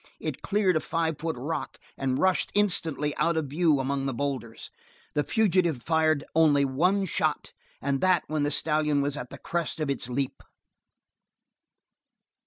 It cleared a five foot rock, and rushed instantly out of view among the boulders. The fugitive had fired only one shot, and that when the stallion was at the crest of its leap.